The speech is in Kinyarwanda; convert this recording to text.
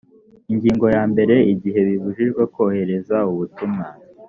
ingingo ya mbere igihe bibujijwe kohereza ubutumwa